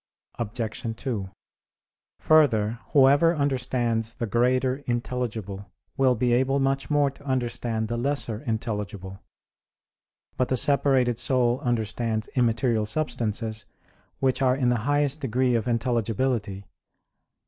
Obj. 2: Further, whoever understands the greater intelligible, will be able much more to understand the lesser intelligible. But the separated soul understands immaterial substances, which are in the highest degree of intelligibility.